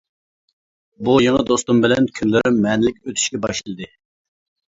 بۇ يېڭى دوستۇم بىلەن كۈنلىرىم مەنىلىك ئۆتۈشكە باشلىدى.